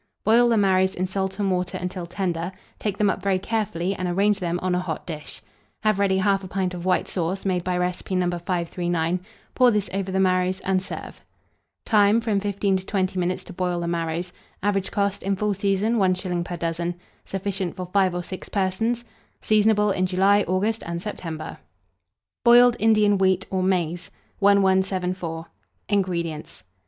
Boil the marrows in salt and water until tender; take them up very carefully, and arrange them on a hot dish. Have ready 1/2 pint of white sauce, made by recipe No. 539; pour this over the marrows, and serve. Time. From 15 to 20 minutes to boil the marrows. Average cost, in full season, 1s. per dozen. Sufficient for 5 or 6 persons. Seasonable in July, August, and September. BOILED INDIAN WHEAT or MAIZE. 1174. INGREDIENTS.